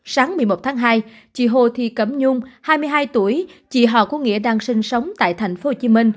sáng một mươi một tháng hai chị hồ thị cẩm nhung hai mươi hai tuổi chị hò của nghĩa đang sinh sống tại tp hcm